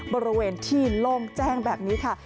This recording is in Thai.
บริเวณที่โล่งแจ้งแบบนี้ค่ะ